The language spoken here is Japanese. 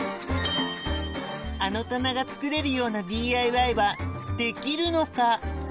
あの棚が作れるようなＤＩＹはできるのか？